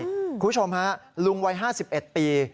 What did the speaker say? คุณผู้ชมฮะลุงวัย๕๑ปี